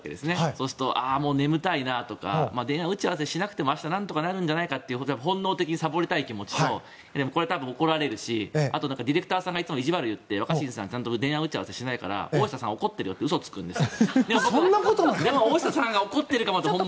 そうすると、ああ眠たいなとか電話打ち合わせしなくても明日なんとかなるんじゃないかって本能的にサボりたい気持ちとこれは多分、怒られるしあとディレクターさんがいつも意地悪言って若新さんちゃんと電話打ち合わせをしないから大下さん怒ってるよって嘘をつくんです。